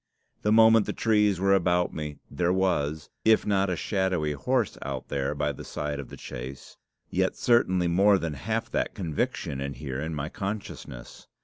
The moment the trees were about me, there was, if not a shadowy horse out there by the side of the chaise, yet certainly more than half that conviction in here in my consciousness.